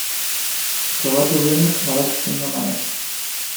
Probatu duenak badaki zein ona den.